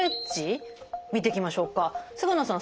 菅野さん